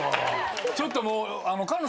ちょっともう。